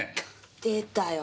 出たよ。